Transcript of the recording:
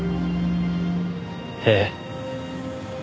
ええ。